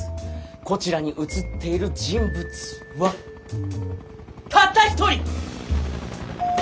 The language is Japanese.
こちらに写っている人物はたった一人！